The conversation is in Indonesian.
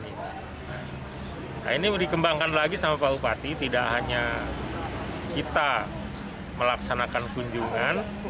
nah ini dikembangkan lagi sama pak bupati tidak hanya kita melaksanakan kunjungan